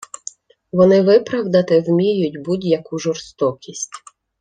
Вони виправдати вміють будь-яку жорстокість